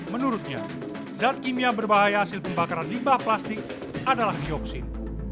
menurutnya zat kimia berbahaya hasil pembakaran limbah plastik adalah dioksin